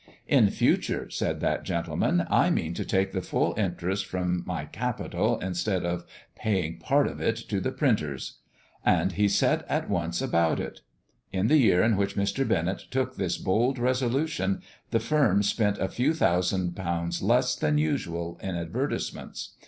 "In future," said that gentleman, "I mean to take the full interest from my capital instead of paying part of it to the printers." And he set at once about it. In the year in which Mr. Bennett took this bold resolution, the firm spent a few thousand pounds less than usual in advertisements.